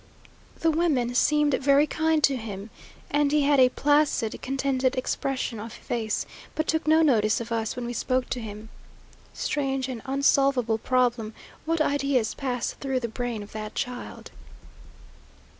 The women seemed very kind to him, and he had a placid, contented expression of face; but took no notice of us when we spoke to him. Strange and unsolvable problem, what ideas pass through the brain of that child!